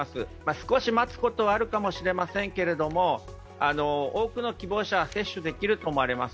少し待つことはあるかもしれませんけれども、多くの希望者は接種できると思われます。